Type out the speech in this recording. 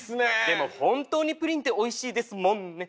でも本当にプリンっておいしいですもんね。